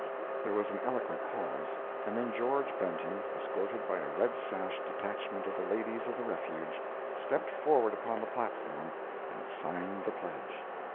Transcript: There was an eloquent pause, and then George Benton, escorted by a red sashed detachment of the Ladies of the Refuge, stepped forward upon the platform and signed the pledge.